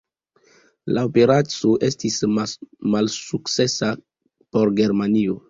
La operaco estis malsukcesa por Germanio.